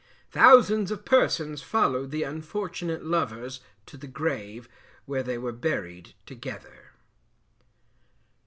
Thousands of persons followed the unfortunate lovers to the grave, where they were buried together.